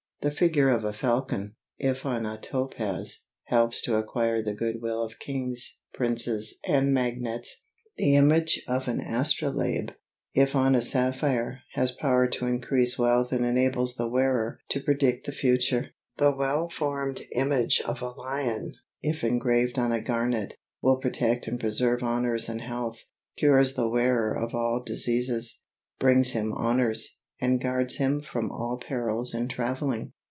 The figure of a falcon, if on a topaz, helps to acquire the goodwill of kings, princes, and magnates. The image of an astrolabe, if on a sapphire, has power to increase wealth and enables the wearer to predict the future. The well formed image of a lion, if engraved on a garnet, will protect and preserve honors and health, cures the wearer of all diseases, brings him honors, and guards him from all perils in travelling.